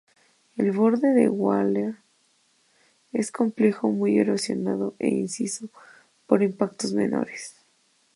El borde de Walther es complejo, muy erosionado e inciso por impactos menores.